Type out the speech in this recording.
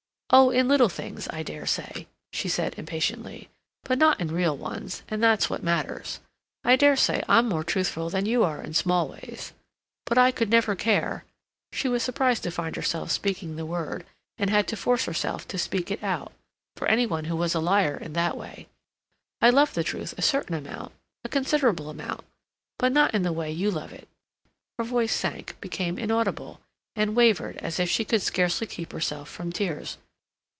"Oh, in little things, I dare say," she said impatiently. "But not in real ones, and that's what matters. I dare say I'm more truthful than you are in small ways. But I could never care"—she was surprised to find herself speaking the word, and had to force herself to speak it out—"for any one who was a liar in that way. I love the truth a certain amount—a considerable amount—but not in the way you love it." Her voice sank, became inaudible, and wavered as if she could scarcely keep herself from tears.